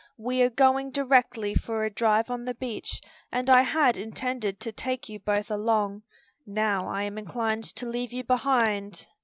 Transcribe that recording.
We are going directly for a drive on the beach and I had intended to take you both along. Now I am inclined to leave you behind."